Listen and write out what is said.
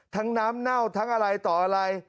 น้ำเน่าทั้งอะไรต่ออะไร